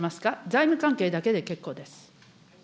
財務関係だけで結構です。